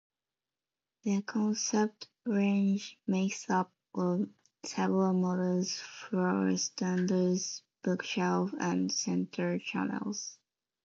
The Concept range makes up of several models Floorstanders, Bookshelf and Centre Channels.